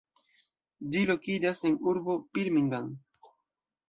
Ĝi lokiĝas en urbo Birmingham.